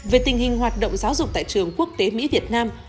về tình hình hoạt động giáo dục tại trường quốc tế mỹ việt nam